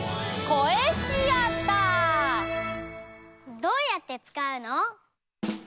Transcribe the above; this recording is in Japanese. どうやってつかうの？